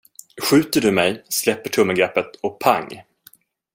Skjuter du mig, släpper tummen greppet och pang.